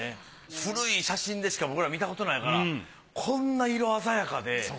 古い写真でしか僕ら見たことないからこんな色鮮やかで。